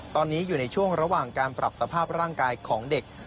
ตอนนี้อยู่ในช่วงระหว่างการปรับสภาพร่างกายของเด็ก